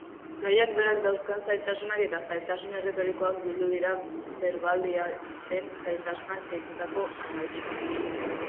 Gaiak berak dauzkan zailtasunak eta zailtasun erretorikoak bildu dira berbaldiaren zailtasunak deitutako ataltxoan.